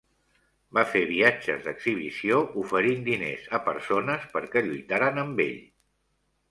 Va fer viatges d'exhibició oferint diners a persones perquè lluitaren amb ell.